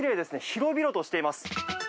広々としています。